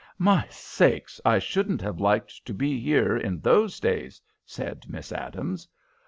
"My sakes, I shouldn't have liked to be here in those days," said Miss Adams.